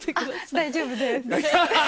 大丈夫です。